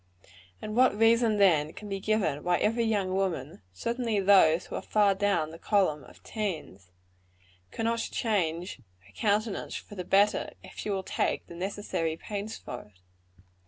And what reason, then, can be given why every young woman certainly those who are far down in the column of teens cannot change her countenance for the better, if she will take the necessary pains for it?